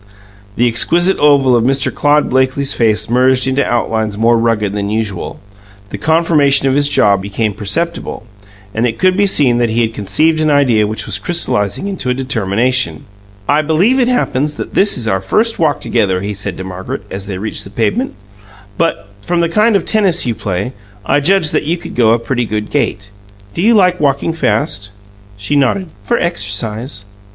The exquisite oval of Mr. Claude Blakely's face merged into outlines more rugged than usual; the conformation of his jaw became perceptible, and it could be seen that he had conceived an idea which was crystallizing into a determination. "I believe it happens that this is our first walk together," he said to Margaret, as they reached the pavement, "but, from the kind of tennis you play, I judge that you could go a pretty good gait. Do you like walking fast?" She nodded. "For exercise."